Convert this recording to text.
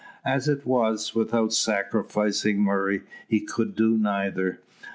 As it was, without sacrificing Murray, he could do neither.